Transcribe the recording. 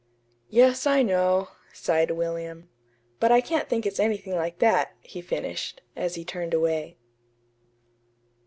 "Yes, I know," sighed William. "But I can't think it's anything like that," he finished, as he turned away.